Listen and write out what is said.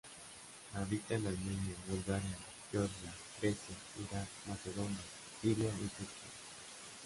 Habita en Armenia, Bulgaria, Georgia, Grecia, Irak, Macedonia, Siria y Turquía.